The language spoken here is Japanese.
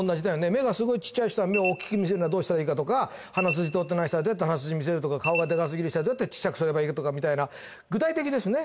目がすごいちっちゃい人は目を大きく見せるにはどうしたらいいかとか鼻筋通ってない人はどうやって鼻筋見せるとか顔がデカすぎる人はどうやってちっちゃくすればいいかとか具体的ですね